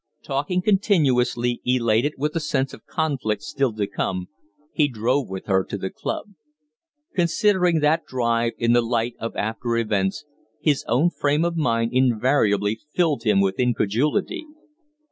Talking continuously, elated with the sense of conflict still to come, he drove with her to the club. Considering that drive in the light of after events, his own frame of mind invariably filled him with incredulity.